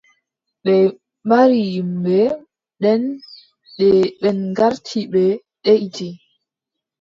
Ɓe mbari yimɓe. Nden, nde ɓen garti ɓe deʼiti.